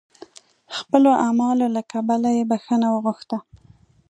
خپلو اعمالو له کبله یې بخښنه وغوښته.